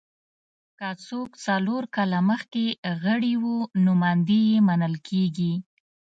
که څوک څلور کاله مخکې غړي وو نوماندي یې منل کېږي